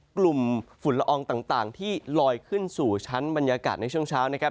กลุ่มฝุ่นละอองต่างที่ลอยขึ้นสู่ชั้นบรรยากาศในช่วงเช้านะครับ